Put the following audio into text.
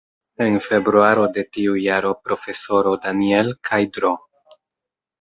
En februaro de tiu jaro, Profesoro Daniel kaj Dro.